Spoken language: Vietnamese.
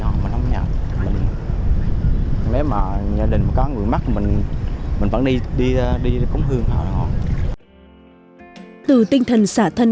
hoặc hoạt đông nhà để mà ms game có người mất mình mình vẫn đi đi đi cũng hương ẩm ranch từ tinh thần